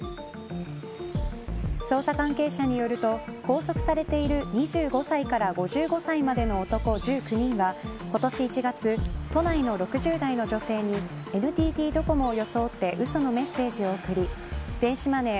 捜査関係者によると拘束されている２５歳から５５歳までの男１９人は今年１月都内の６０代の女性にＮＴＴドコモを装ってうそのメッセージを送り電子マネー